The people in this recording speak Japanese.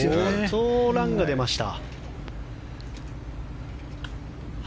相当ランが出ました。